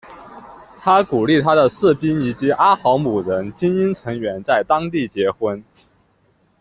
他鼓励他的士兵以及阿豪姆人精英成员在当地结婚。